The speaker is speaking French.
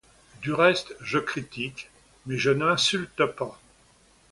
Du reste, je critique, mais je n'insulte pas.